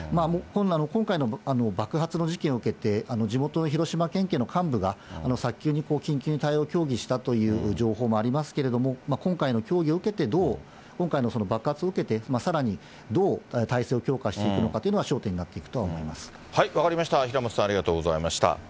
今回の爆発の事件を受けて、地元の広島県警の幹部が、早急に緊急に対応を協議したという情報もありますけれども、今回の協議を受けて、どう、今回の爆発を受けてさらにどう態勢を強化していくのかというのは分かりました、平本さん、ありがとうございました。